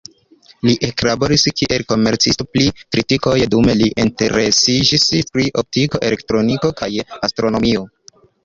Li eklaboris, kiel komercisto pri tritikoj, dume li interesiĝis pri optiko, elektroniko kaj astronomio.